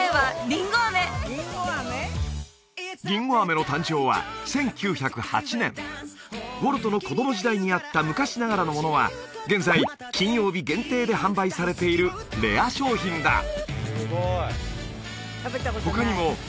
りんご飴の誕生は１９０８年ウォルトの子供時代にあった昔ながらのものは現在金曜日限定で販売されているレア商品だ他にもりんごの外を